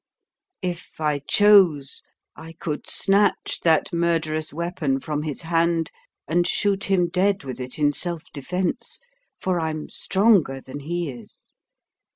If I chose, I could snatch that murderous weapon from his hand, and shoot him dead with it in self defence for I'm stronger than he is.